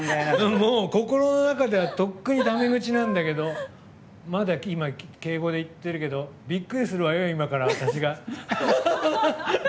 心の中ではとっくにタメ口なんだけどまだ敬語でいってるけどびっくりするわよ